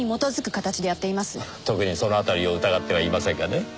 特にその辺りを疑ってはいませんがね。